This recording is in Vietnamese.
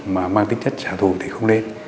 mà mang tính chất trả thù thì không lên